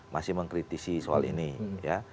masih mengkritisi soal ini ya